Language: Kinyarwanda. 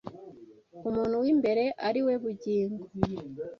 umuntu w’imbere ari we bugingo